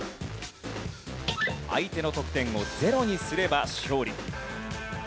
相手の得点をゼロにすれば勝利。